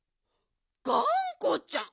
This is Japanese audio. がんこちゃん？